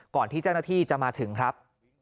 ก่อนที่เจ้าหน้าที่จะมาถึงครับ